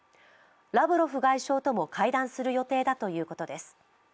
ラブロフ外相とも会談する予定だということです。